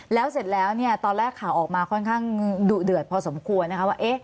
แล้วเสร็จแล้วเนี่ยตอนแรกข่าวออกมาค่อนข้างดุเดือดพอสมควรนะคะว่า